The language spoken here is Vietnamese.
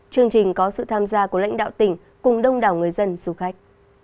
chương trình có sự tham gia của lãnh đạo tỉnh cùng đông đảo người dân du khách